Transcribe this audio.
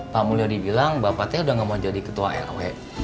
pak mulyadi bilang bapak teh udah nggak mau jadi ketua lw